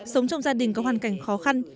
sống trong gia đình có hoàn cảnh khó khăn